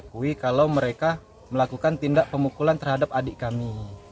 akui kalau mereka melakukan tindak pemukulan terhadap adik kami